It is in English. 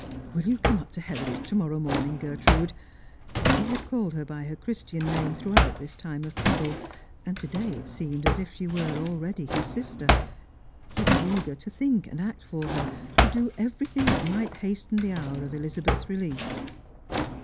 Will you come xl\> to Hetheridge to morrow morning, Gertrude ?" He had called her by her Christian name throughout this time of trouble, and to day it seemed as if she were already his sister. He wag eager to think and act for her, to do everything that might hasten the hour of Elizabeth's release.